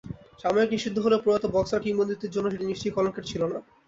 সাময়িক নিষিদ্ধ হলেও প্রয়াত বক্সার কিংবদন্তির জন্য সেটি নিশ্চয়ই কলঙ্কের ছিল না।